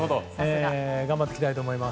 頑張っていきたいと思います。